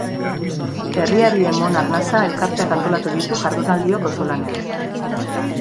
Herriari Emon Arnasa elkarteak antolatu ditu jardunaldiok auzolanean.